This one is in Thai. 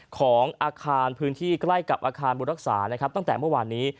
ของอาคารพื้นที่ใกล้กับอาคารบุรักษานะครับตั้งแต่เมื่อวานนี้